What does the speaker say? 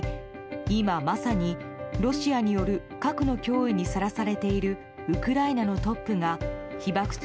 今、まさにロシアによる核の脅威にさらされているウクライナのトップが被爆地